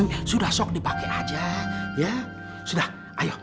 yang lebih gede ya